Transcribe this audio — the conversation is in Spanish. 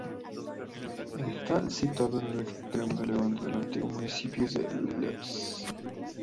Está situado en el extremo de levante del antiguo municipio de Llesp.